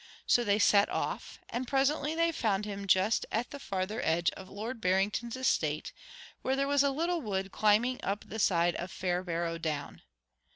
So they set off, and presently they found him just at the farther edge of Lord Barrington's estate, where there was a little wood climbing up the side of Fairbarrow Down.